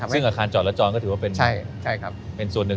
ซึ่งอาคารจอดละจรก็ถือว่าเป็นส่วนหนึ่ง